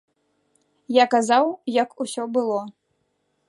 Я казаў, як усё было.